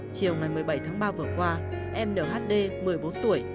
chiều ngày một mươi bảy tháng ba vừa qua em nữ hd một mươi bốn tuổi